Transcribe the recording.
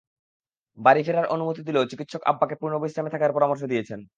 বাড়ি ফেরার অনুমতি দিলেও চিকিৎসক আব্বাকে পূর্ণ বিশ্রামে থাকার পরামর্শ দিয়েছেন।